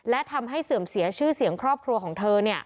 และทำให้เสื่อมเสียชื่อเสียงครอบครัวของเธอ